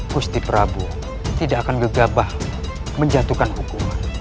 gusti prabu tidak akan gegabah menjatuhkan hukuman